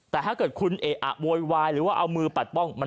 แต่ถ้าเกิดคุณเอะอะโวยวายหรือว่าเอามือปัดป้อง